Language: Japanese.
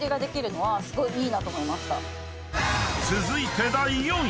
［続いて］